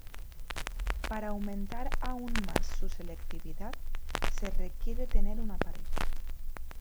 Para aumentar aún más su selectividad, se requiere tener una pared.